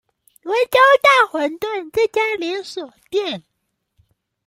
溫州大混飩這家連鎖店